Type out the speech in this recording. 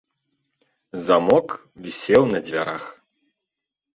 Замок вісеў на дзвярах.